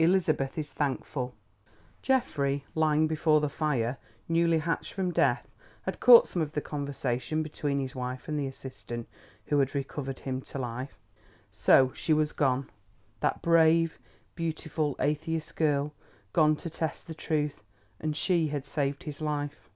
ELIZABETH IS THANKFUL Geoffrey, lying before the fire, newly hatched from death, had caught some of the conversation between his wife and the assistant who had recovered him to life. So she was gone, that brave, beautiful atheist girl—gone to test the truth. And she had saved his life!